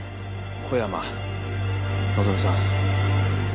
小山希望さん